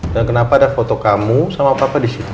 kenapa ada foto kamu sama papa di situ